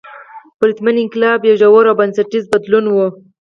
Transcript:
پرتمین انقلاب یو ژور او بنسټیز بدلون و.